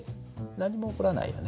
何も起こらないね。